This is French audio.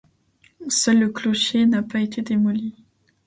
Seul le clocher n'a pas été démoli.